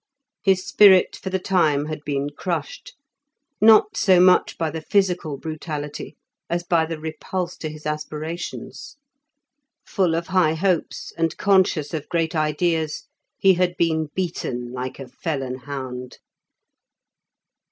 His spirit for the time had been crushed, not so much by the physical brutality as by the repulse to his aspirations. Full of high hopes, and conscious of great ideas, he had been beaten like a felon hound.